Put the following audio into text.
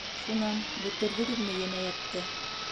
Шунан, бөтөрҙөгөҙмө енәйәтте?